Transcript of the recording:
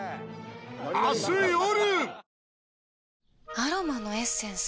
アロマのエッセンス？